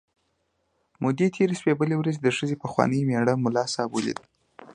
مودې تېرې شوې، بله ورځ د ښځې پخواني مېړه ملا صاحب ولید.